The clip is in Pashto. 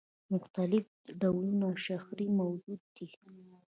مختلف ډوله شخړې موجودې دي.